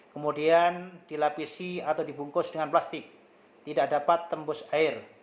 kemudian dilapisi atau dibungkus dengan plastik tidak dapat tembus air